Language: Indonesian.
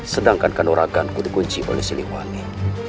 sedangkan kanoraganku dikunci oleh siliwangi